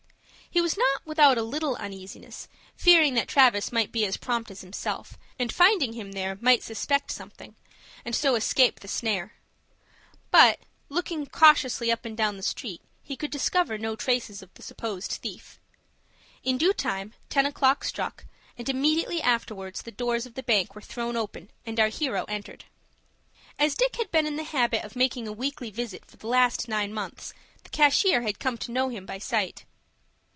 He was not without a little uneasiness, fearing that Travis might be as prompt as himself, and finding him there, might suspect something, and so escape the snare. But, though looking cautiously up and down the street, he could discover no traces of the supposed thief. In due time ten o'clock struck, and immediately afterwards the doors of the bank were thrown open, and our hero entered. As Dick had been in the habit of making a weekly visit for the last nine months, the cashier had come to know him by sight.